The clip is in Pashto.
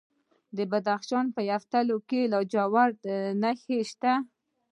د بدخشان په یفتل کې د لاجوردو نښې شته.